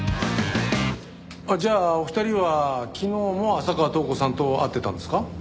じゃあお二人は昨日も浅川塔子さんと会ってたんですか？